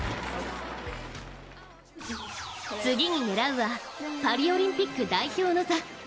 次に狙うは、パリオリンピック代表の座。